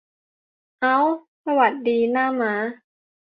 เอ้า สวัสดี หน้าม้า